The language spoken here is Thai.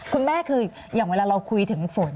คุณแม่คืออย่างเวลาเราคุยถึงฝน